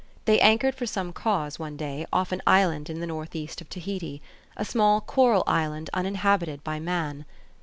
They anchored for some cause, one day, off an island to the north east of Tahiti, a small coral island uninhabited by man.